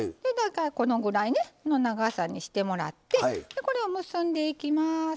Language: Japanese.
このぐらいの長さにしてもらって結んでいきます。